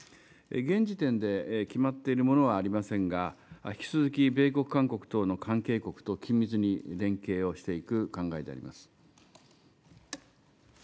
現時点で決まっているものはありませんが、引き続き米国、韓国等の関係国と緊密に連携をしていく考えであります。